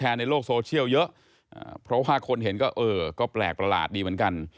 มีมีร่างทรงนี้ด้วย